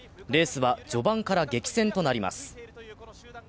レースは序盤から激戦となります。